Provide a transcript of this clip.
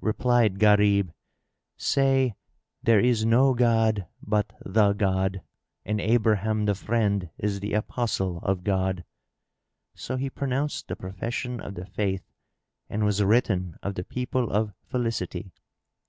Replied Gharib, "Say:—There is no god but the God and Abraham the Friend is the Apostle of God!" So he pronounced the profession of the Faith and was written of the people of felicity.